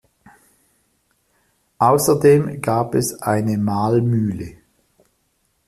Außerdem gab es eine Mahlmühle.